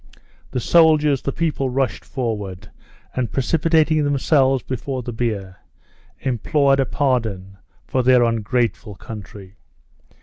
The soldiers, the people rushed forward, and precipitating themselves before the bier, implored a pardon for their ungrateful country.